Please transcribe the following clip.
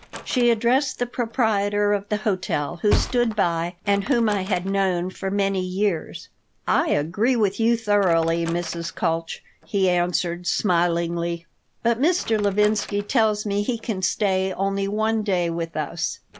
she addressed the proprietor of the hotel, who stood by and whom I had known for many years "I agree with you thoroughly, Mrs. Kalch," he answered, smilingly. "But Mr. Levinsky tells me he can stay only one day with us."